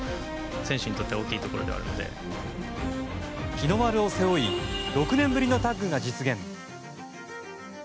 日の丸を背負い６年ぶりのタッグが実現。